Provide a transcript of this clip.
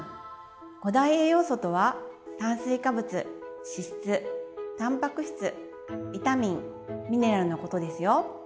５大栄養素とは炭水化物脂質たんぱく質ビタミンミネラルのことですよ。